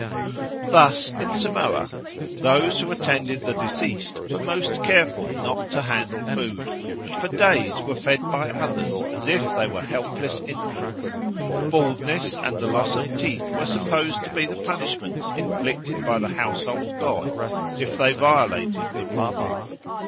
Thus in Samoa "those who attended the deceased were most careful not to handle food, and for days were fed by others as if they were helpless infants. Baldness and the loss of teeth were supposed to be the punishment inflicted by the household god if they violated the rule."